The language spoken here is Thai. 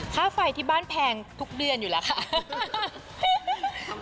ค่าไฟที่บ้านแพงทุกเดือนอยู่แล้วค่ะ